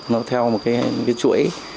nó theo một cái chuỗi